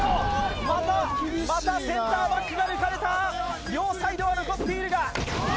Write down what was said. またセンターバックが抜かれた、両サイドは残っているが。